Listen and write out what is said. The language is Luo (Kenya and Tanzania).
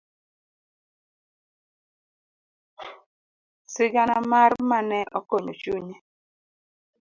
Sigana mar Ma ne okonyo chunye.